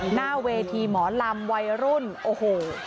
หน้าเวทีหมอลำวัยรุ่นโอ้โห